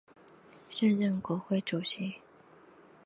现任国会主席。